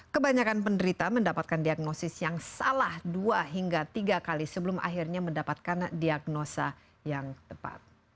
kebanyakan penderita mendapatkan diagnosis yang salah dua hingga tiga kali sebelum akhirnya mendapatkan diagnosa yang tepat